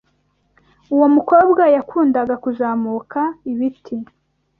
Uwo mukobwa yakundaga kuzamuka ibiti.